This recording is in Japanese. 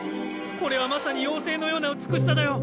これはまさに妖精のような美しさだよ！